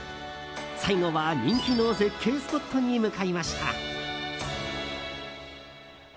最後は人気の絶景スポットに向かいました。